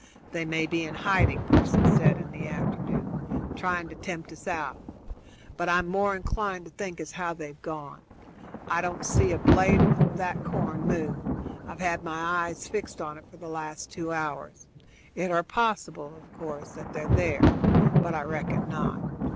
"They may be in hiding," Pearson said in the afternoon, "trying to tempt us out; but I'm more inclined to think as how they've gone. I don't see a blade of that corn move; I've had my eyes fixed on it for the last two hours. It are possible, of course, that they're there, but I reckon not.